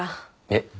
えっ？